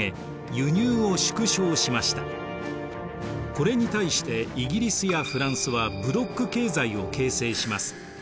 これに対してイギリスやフランスはブロック経済を形成します。